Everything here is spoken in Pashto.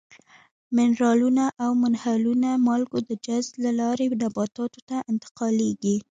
منرالونه او منحلو مالګو د جذب له لارې نباتاتو ته انتقالیږي.